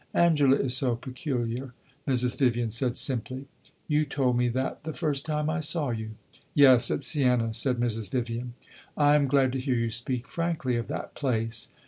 "Angela is so peculiar," Mrs. Vivian said, simply. "You told me that the first time I saw you." "Yes, at Siena," said Mrs. Vivian. "I am glad to hear you speak frankly of that place!"